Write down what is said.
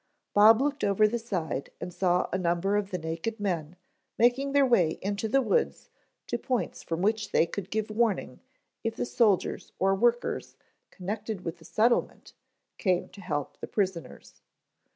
Bob looked over the side and saw a number of the naked men making their way into the wood to points from which they could give warning if the soldiers or workers connected with the settlement came to help the prisoners.